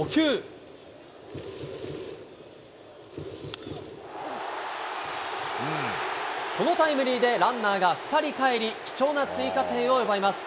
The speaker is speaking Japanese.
その初球、このタイムリーでランナーが２人かえり、貴重な追加点を奪います。